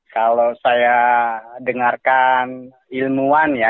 kalau saya dengarkan ilmuwan ya